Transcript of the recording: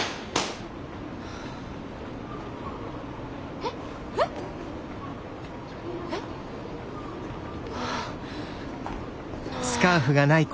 えっ？えっ？えっ？ああ。